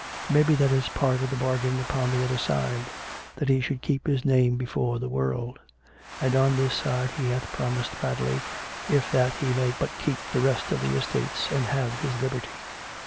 , Maybe that is part of 250 COME RACK! COME ROPE! the bargain upon the other side, that he should keep his name before the world. And on this side he hath promised Padley, if that he may but keep the rest of the estates, and have his liberty.